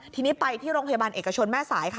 ทีนี้ไปที่โรงพยาบาลเอกชนแม่สายค่ะ